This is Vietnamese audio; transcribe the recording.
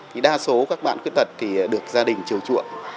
thì đa số các bạn khuyết tật thì được gia đình chiều chuộng